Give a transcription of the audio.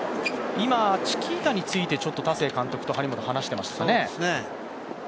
今、チキータについて田勢監督と張本、離してましたね。